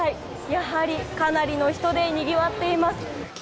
やはりかなりの人でにぎわっています！